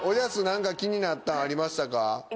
何か気になったんありましたか？